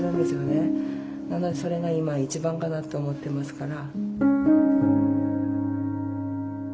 なのでそれが今は一番かなって思ってますから。